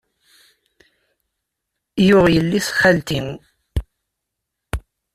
Yuɣ yelli-s n xalti.